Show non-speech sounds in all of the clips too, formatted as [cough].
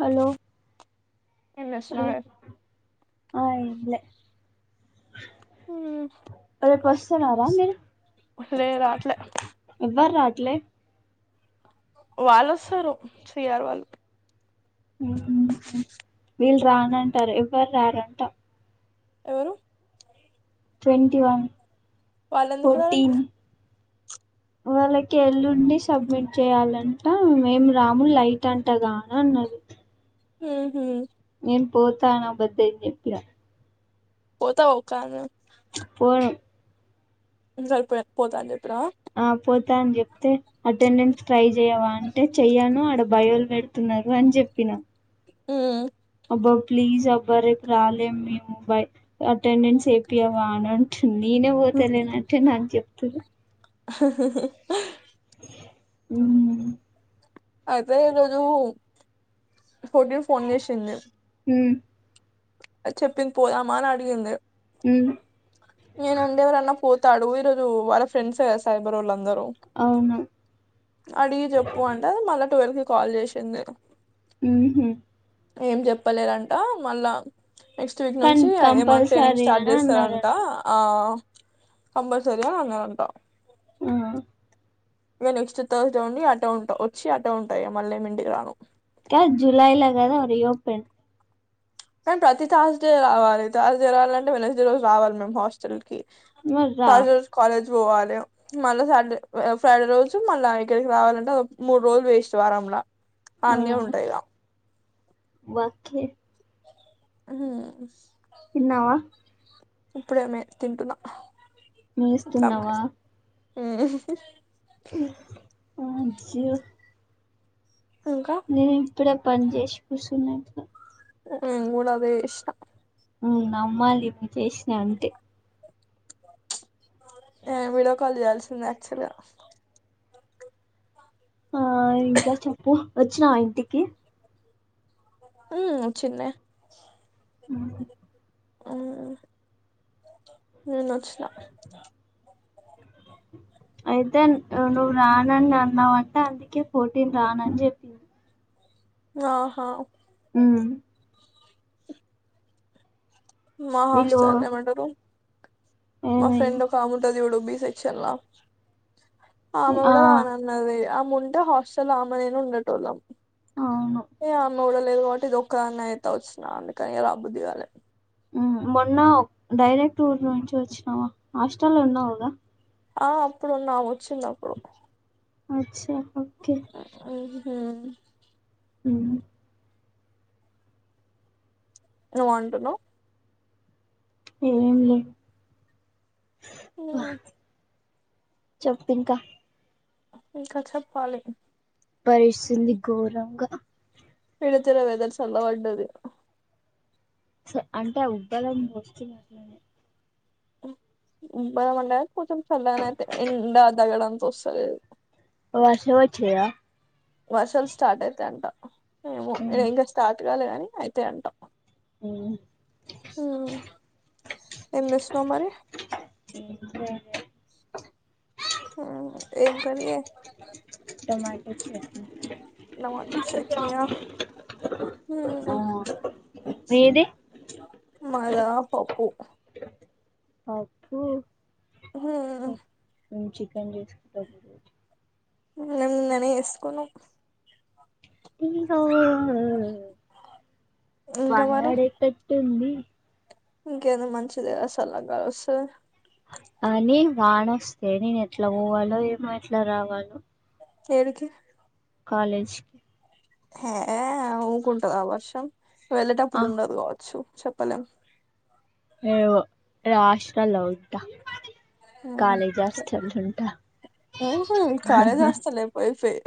Hello ఏం hello చేస్తున్నావే ఆ ఎమ్లె మ్మ్. రేపు వస్తున్నారా మీరు లేే రాట్లే ట్లే వాళ్ళు వస్తారు సిఆర్ వాళ్ళు వీళ్ళు రానంటారు ఎవరు రారంట ఎవరు ట్వంటి వన్ వాళ్లేందుకురారంట ఫోర్టీన్ వాళ్ళకి ఎల్లుండి సబ్మిట్ చేయాలంట మేం రాము లైట్ అంటగా అనన్నది [inaudible] ఉహు నెన్ పోతా అని అబ్బద్ధం చెప్పిన పోతవ ఒకదానివే పోను ఇందక పొ పోతా అని చెప్పిన ఆ పోతా అని చెప్తే అటెండెన్స్ ట్రై చెయవా అంటే చెయ్యను బయోలు పెడుతున్నారు అని చెప్పిన ఉ అబ్బా ప్లీజ్ అబ్బా రేపు రాలేం మేము బై అటెండెన్స్ ఏపీయవ అనంట్ నేనే పోతాలేనంటే నాకు చెప్తుర్రు [inaudible] ఉ అదే ఈ రోజు ఫోటీవ్ ఫోన్ చేసింది మ్మ్ చెప్పింది పోదమా అని అడిగింది మ్మ్ నేను ఉండే ఎవరన్నా పో తడుగి ఈరోజు వాళ్ళ ఫ్రెండ్స్ ఎ గదా సైబరోళ్ల దరు అవును అడిగి చెప్పు అంటే మళ్ళా ట్వెల్ కి కాల్ చేసిందిే ఉహ్మ్ ఏం చెప్పలేదంట మళ్ళా నెక్స్ట్ వీక్ కానీ నుంచి ఏమన్నా ట్రైనింగ్ కంపల్సరీ స్టార్ట్ అని చేస్తారంట అన్నారంట ఆ కంపల్సరి ఉండాలంట ఆ ఇగ నెక్స్ట్ థర్స్డే ఉండి అటె ఉంటా వచ్చి అటె ఉంటా ఇగ మళ్లెం ఇంటికి రాను కా జూలైలా కాదా రిఓపెన్ కని ప్రతి థర్స్డేవాలి థర్స్డే రావాలంటే వెనర్స్డే రోజు రావాలి మీమ్ హాస్టల్ కి మరి రా థర్స్ డే కాలేజ్ పోవాలి మళ్ళా సాటర్డే ఫ్రైడే రోజు మళ్ళా ఇక్కడికి రావాలంటే మూడు రోజులు వేస్ట్ వారంలా అన్నే ఉంటయిగా వాకే ఆహ్ తిన్నావా ఇప్పుడేమే తింటున్నా మేస్తున్నావా ఆ అజ్జో ఇంకా నేను ఇప్పుడే పని చేసి కూసున్న ఇట్ల ఊగుడదే చేశినా ఉ అమ్మలివ్వి చేసిన అంతె ఏ వీడియో కాల్ చేయాల్సింది యాక్చువల్ గా ఆ ఇంకా చెప్పు వచ్చినావ ఇంటికి ఉ వచ్చిన్నే ఉహ్మ్ ఆ నిన్నచ్చిన అయితే నువ్వు రానని అన్నావంటే అందుకే పోటీన్ రానని చెప్పింది ఆహా ఉమ్ మా వీళ్ళు హాస్టల్ ఏమంటారు మా ఫ్రెండ్ ఏమైంది ఒక ఆముంటది ఇవుడు బీ సెక్షన్ ల ఆమె ఆ కూడా రానన్నది ముంటే హాస్టల్ ఆమె నేను ఉండెటోళ్ళం అవును డలేదు కాబట్టి ఇది ఒక్కదాన్నైతే వచ్చిన అందుకనిగ రబుద్దిగాలే మొన్న డైరెక్ట్ ఊర్ నుంచి వచ్చినావా హాస్టల్లో ఉన్నావ్ గదా ఆ అప్పుడున్నా వచ్చిందప్పుడు అచ్చా ఓకే ఆ ఉ ఏమో అంటున్నవ్ ఏం లే ఉ చెప్పింకా ఇంక చెప్పాలి పరిసింది గోరంఘ పిడుతల వెదర్ సళ్ల వడ్డది స అంటే అ ఉబ్బరం వస్తుంది అట్లనే బ మంట కొంచెం చల్లగనైతే ఎండా దగడాంత ఒస్తలేదు వర్షం ఒచ్చింద వర్షాల్ స్టార్ట్ అయితై అంటా ఏమో ఎ ఉమ్ ఇంకా స్టార్ట్ కాలే కని అయితై అంట ఉమ్ ఉమ్ ఎం చేసినవ్ మరి ఏం చేయలే మ్ ఏం కర్రీ ఎ టమాటో చట్నీ టమోటో చట్నీ ఆహ్ ఆ మ్ మీది మాదా పప్పు పప్పు హ్మ్ మేం చికెన్ చేసుకుంటాం ఈ రోజు లేం నిన్ననే చేసుకున్నాం ఇంకా వాన వడే టట్టుంది ఇంకెంది మంచిదే గా సల్లగ్ గాల్ ఓస్తాది ఏ నేన్ ఎట్ల పోవాలో ఏమో ఎట్ల రావాలో ఎడికి కాలేజ్ హే ఆ ఊకుంటదా వర్షం ఆ వెళ్ళేటప్పుడు ఉండదు కావచ్చు చెప్పలేం ఏమో నేన్ హాస్టల్ లో ఉంటా కాలేజ్ హాస్టలుంటా ఉమ్ హ్మ్ కాలేజ్ హాస్టలే పోయి పోయి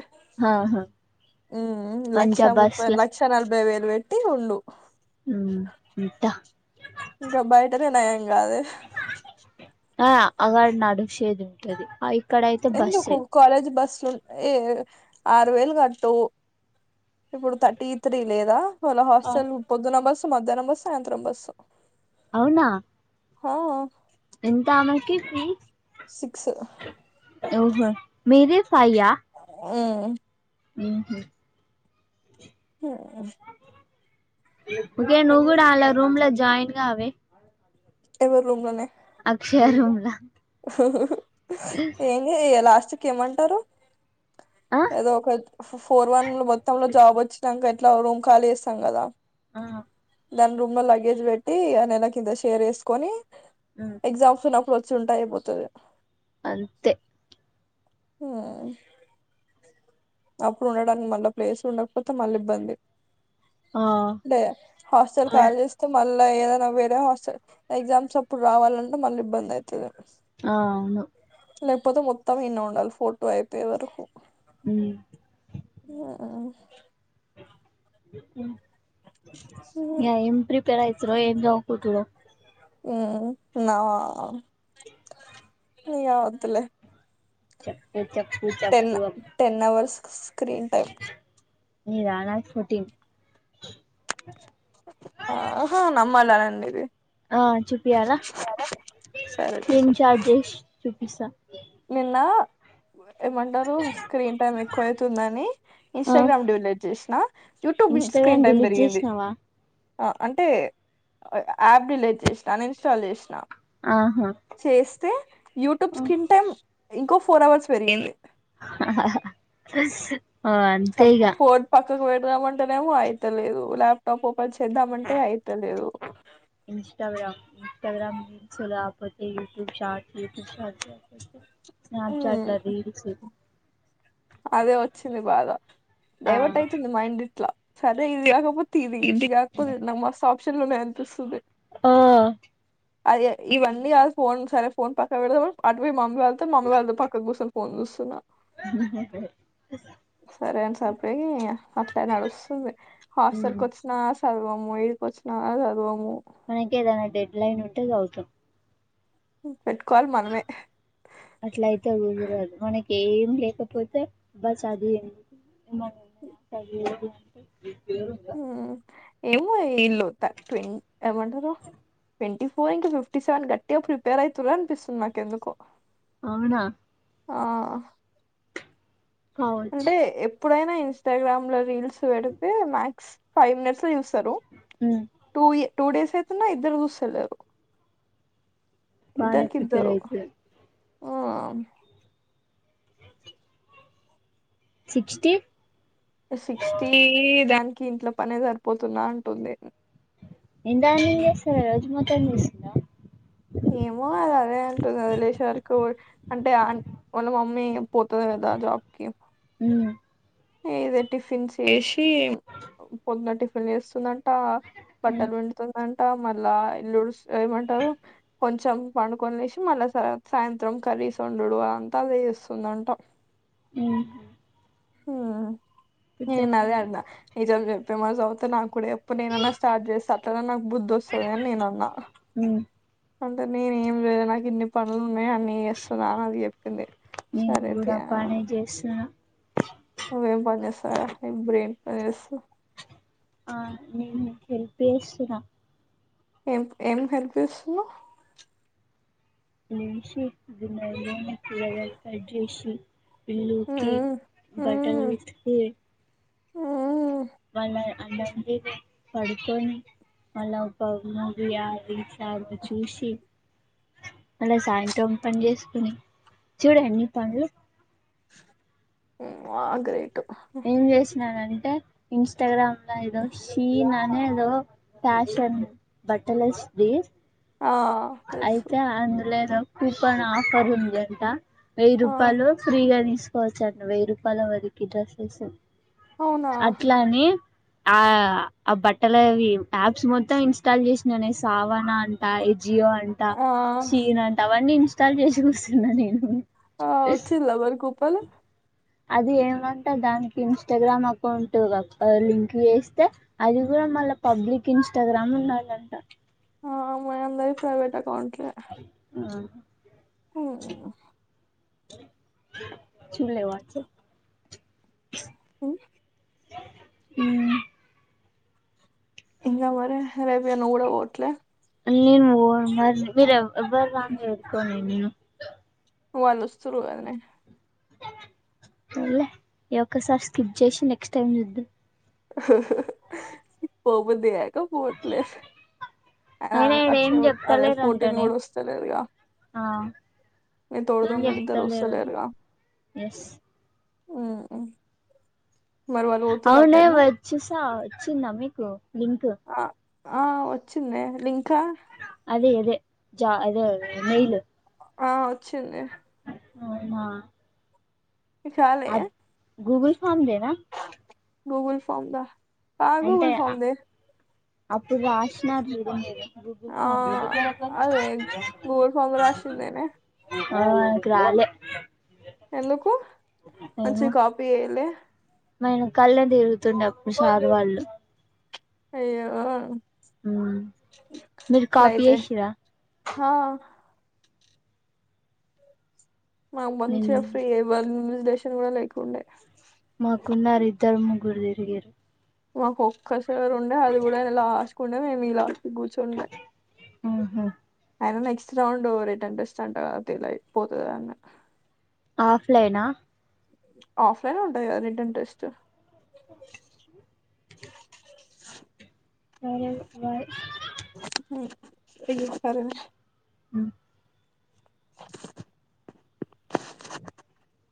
ఆహా ఉమ్ ఉ లక్ష మంచిగా ముప్పై బస్ల లక్ష నలభై వేలు వేట్టి ఉండు ఉమ్ ఉంఠ తేన ఎం గాథే ఆ అగాద్నాడు శేదుంటది అయి ఎందుకు కాలేజి బస్ నున్ ఏ ఆరు వేలు కట్టు ఇప్పుడు థర్టీ త్రీ లేదా హోల హాస్టల్ పొద్దున బస్సు మధ్యానం బస్సు సాయంత్రం బస్సు అవునా హా ఎంత ఆమెకి ఫీ సిక్స్ ఓహ్ మిది ఫైయా ఉమ్మ్ హ్మ్ హు హుమ్ ఓకే నువ్ గుడ అల్ల రూమ్లో జాయిన్ గావే ఎవర్ రూమ్లోనే అక్షయ రూమ్ల ఎంగే ఇగ లాస్ట్క్ ఏమంటరు ఆ ఏదో ఒక ఫోర్ వన్ లో మొత్తం లో జాబ్ వచ్చినంక ఎట్ ట్ల రూమ్ ఖాళీ చేస్తాం గదా అ దాని రూమ్ లో లగేజ్ పెట్టి అ నెల కింత షేర్ చేేసుకొని ఉమ్ ఎగ్జామ్స్ ఉన్నప్పుడు వచ్చి టైపోతది అంతే హ్మ్ అప్పుడు ఉండడానికి మళ్ళా ప్లేస్ ఉండకపోతే మళ్ళ ఇబ్బంది ఆ ఆ డే హాస్టల్ కాలీ చేస్తే మల్ ఏదైనా వేరే హాస్టల్ ఎగ్జామ్స్ అప్పుడు రావాలంటే మళ్ళ ఇబ్బంది అయితది అ అవును లేకపోతే మొత్తం ఇన్నె ఉండాలి ఫోటో అయిపోయే వరకు ఉమ్ మ్ య ఏం ప్రిపేర్ అయితున్నావ్ ఏం చదువుకుంటున్నావ్ హ్మ్ నావ ఇగ వద్దులే చెప్పే ten ten hours screen time నిదా నాది ఫోర్టిన్ ఆహా నమ్మలని ఇది అ చూపోయాల సరే స్క్రీన్ చాట్ చేసి చూపిస్తా నిన్న ఏమంటారు స్క్రీన్ టైమ్ ఎక్కువైతుందని ఆ ఇన్స్టాగ్రామ్ డిలేట్ చేసిన YouTube screen Instagram time delete పెరిగింది చేసినావా అ అంటే యాప్ డిలీట్ చేసినా అన్ ఇన్స్టాల్ చేసినా ఆహా చేస్తే యూట్యూబ్ స్క్రీన్ టైమ్ ఇంకో ఫోర్ అవర్స్ పెరిగింది స్ [inaudible] ఫోన్ పక్కకు పెడుదామంటేనేమో అయితలేదు ల్యాప్టాప్ ఒ న్ చేద్దామంటే అయితలేదు ఇన్స్టగ్రామ్పోతే యూట్యూబ్ స్టట్ [unintelligible] స్నాప్ చాట్ మ్మ్ ల రిల్స్ అదే వచ్చింది బాధ ఆ డైవర్ట్ అయితుంది మైండ్ ఇట్ల సరే ఇది కాకపోతే ఇది కాకపోతే నాకు మస్తు ఆప్షన్లు ఉన్నాయి అనిపిస్తుంది అ అది ఇవన్నీ అది ఫోన్ సరే ఫోన్ పక్క పెడుదామ అటు పోయి మమ్మీ వాళ్తో మామ్మీ వాళ్ళతో పక్క కూర్చొని పోన్ చూస్తున్న మ్ హు మ్ సరే అని సప్పి అట్లే నడుస్తుంది హాస్టల్కి మ్మ్ వచ్చిన చదువము ఎడికొచ్చిన చదువము మనకేదైనా డెడ్లైన్ ఉంటే చదువుతం పెట్టుకోవాలి మనమే అట్లా అయితేకుదురద్ మనక్ ఏం లేకపోతే అబ్బా చదివేందుకు ఏమన్న ఉన్నాయ చదివేది అంటే మ్ ఏమొ వీళ్ళు త్ ట్వ ఏమంటారు twenty four into fifty seven గట్టిగ ప్రిపేర్ అయితుార్రు అనిపిస్తుంది నాకు ఎందుకో అవునా ఆ కావచ్ అంటే ఎప్పుడైనా ఇన్స్టాగ్రామ్ లో రీల్స్ పెడితే మక్స్ ఫైవ్ మినిట్స్ లో చుస్ తరు మ్మ్ టూ డేస్ అయితున్న ఇద్దరు చూస్తలేరు బానే ఇద్దరికి ప్రిపేర్ ఇద్దరు అయితునరూ ఆ సిక్స్టీ సిక్స్టీ దానికి ఇంట్లో పనే సరిపోతున్నా అంటుంది ఎంతగనం చేస్తారు రోజు మొత్తం చేస్తారా ఏమో అది అదే అంటుంది అది లేసే వరకు అంటే వాళ్ళ మమ్మీ పోతది కద జబ్కి మ్మ్ ఇదే టిఫిన్స్ చేసి పొద్దున టిఫిన్ చేస్తుంది అంట అంట మ్మ్ బట్టలు పిండుతుంది అంట మళ్ళా ఇల్లు ఉడు ఏమంటారు కొంచెం పండుకొని లేసి మళ్ళా సాయంత్రం క కర్రీస్ వండుడు అంతా అదే చేస్తుందట ఆ ఆ నేను అదే అన్న నిజం చెప్పే మరి చదువు తున్నవా నాకు కూడా చెప్పు నేనన్నా స్టార్ట్ చేస్తా అట్లనాన నాకు బుద్ధి వస్తుంది అని నేను అన్నా మ్మ్ అంటే నేను ఏం లేదే నాకు ఇన్ని పనులున్నాయి. నేనె అన్నీ చేస్తున్నాను అది చెప్పింది నేను సరే తీ కూడా పనే చేస్తున్నా నువ్వేం పని చేస్తావు లేవుగా బ్రేన్ పని చేస్తావ్ ఆ నేను నిక్ హెల్ప్ చేస్తున్న ఏం ఏం హెల్ప్ చేస్తునవు రూమ్స్ ఉడిసి గిన్నెలు తోమి కూరగాయలు కట్ చేసి ఇల్లు ఉకి మ్మ్ బట్టలు మ్మ్ ఉతికి మ్మ్ మల్ల అన్నం తిని పడుకొని మళ్ళ ఆ ఒక మూవీ ఆ చ చూసి మళ్ళ సాయంత్రం పని చేసుకుని చూడు ఎన్ని పనులు ఆగ్రే ఏం చేసినానంటే ఇన్స్టాగ్రామ్ లో ఏదో షి నా ఎదో ఫ్యాషన్ బట్టలసు ధి ఆ తెలుసు అయితే అందులో ఏదో కూపన్ ఆఫర్ ఉందింట వెయ్యి ఆ రూపాయలు ఫ్రీగా తీసుకోవచ్చ అట వెయ్యి రూపాయల వరకు డ్రెస్సెస్ అవునా అట్లాని ఆ ఆ బట్టలవి యాప్స్ మొత్తం ఇన్స్టాల్ చేసినాను సావనా అంట జియో అంట ఆ షీన్ అంట అవన్నీ ఇన్స్టాల్ చేసి కూసున్నా నేను ఆ వచ్చిద మరి కూపను అది ఏమంట దానికి ఇన్స్టాగ్రామ్ అకౌంట్ లింక్ చేస్తే అది కూడా మళ్ళ పబ్లిక్ ఇన్స్టాగ్రామ్ ఉండాలంట ఆ మనందరి ప్రైవేట్ అకౌంట్ ఆ ఆ చులే వాట్స్ అప్ మ్మ్. ఆ ఇంకా మరి రేపు ఇగ నువ్వు కూడా పోట్లే నేను పోన్ మరి మీరు ఎ ఎవరు రాని వేర్కోనే నేను వాళ్ళుస్తురు కదనే సర్లే ఈ ఒక్కసారి స్కిప్ చేసి నెక్స్ట్ టైమ్ చూద్దాం పోబుద్ది గాక పోట్లే అయినా ఈడ ఏం అక్షయ అదే పొట్టిది చెప్తలేరంటనే కూడా వస్తలేదుగా ఆ మీ తోడు ఏం దొంగలిద్దరు చెప్తలేరంట వస్తలేరుగా ఎస్ ఉమ్. మరి వాళ్ళు పోతురు అవునే అటేనా వచ్చసా వచ్చిందా మీకు లింక్ ఆ ఆ వచ్చిందే లింకా అదే అదే అదే మెయిల్ ఆ వచ్చింది అవునా నీకు రాలే అందేరా గూగుల్ ఫార్మ్ దా ఆ గూగుల్ ఫార్మ్ దే అప్పుడు రాసినారు చూడు మీరు గూగుల్ ఆ ఫార్మ్ అదే గూగుల్ ఫామ్ రాసిందేనే నాకు రాలే ఎందుకు మంచిగ కాపీ చెయలే మా యెనకాళ్ళనే తిరుగుతుండే అప్పుడు సారు వాళ్ళు అయ్యో మ్మ్ మీరు కాపీ లైతే చేసిరా హా మాకు నేను మంచిగా ఫ్రీ వన్జటేషన్ కూడా లేకుండే మాకున్నారు ఇద్దరు ముగ్గురు తిరిగిరు మాకు ఒక్కసార్ ఉండే అది కూడా ఆయన లాస్ట్ కుండే మేము ఈ లాస్ట్ గూచుండే ఆహా ఆయననే క్ట్స్ రౌండ్ వ్రిటన్ టెస్ట్ అంటగా అదే రైట్ పోతది ఆన్నె ఆఫ్లైనా ఆఫ్లైనే ఉంటదిగా వ్రిటన్ టెస్ట్ [inaudible] సరే బాయ్ [unintelligible] హ్మ్ [inaudible]